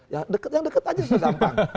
yang dekat dekat aja sudah gampang